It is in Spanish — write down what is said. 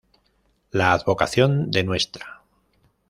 La advocación de Ntra.